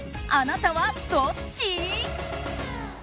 あなたはどっち？